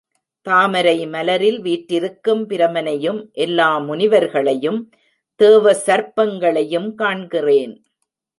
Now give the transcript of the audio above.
தாமரை மலரில் வீற்றிருக்கும் பிரமனையும் எல்லா முனிவர்களையும் தேவ சர்ப்பங்களையும் காண்கிறேன்.